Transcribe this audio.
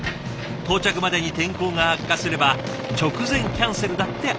到着までに天候が悪化すれば直前キャンセルだってありえます。